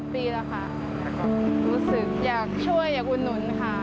ปีแล้วค่ะรู้สึกอยากช่วยอยากอุดหนุนค่ะ